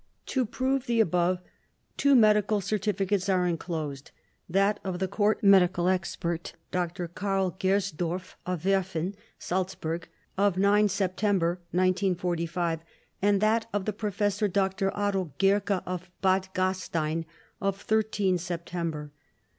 To prove the above two medical certificates are enclosed—that of the court medical expert Doctor Karl Gersdorf of Werfen, Salzburg of 9 September 1945, and that of the Professor Doctor Otto Gerke of Badgastein of 13 September.